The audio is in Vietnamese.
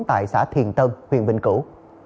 tại xã thiền tân huyền bình cửu